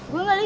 gua ga liat